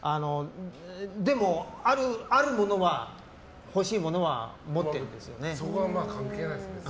でも、あるものは、欲しいものは持ってるんですよね。